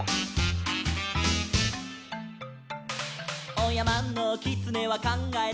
「おやまのきつねはかんがえた」